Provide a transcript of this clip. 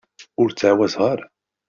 Ur ttɛawazeɣ ara.